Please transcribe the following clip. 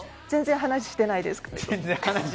全然話してないです。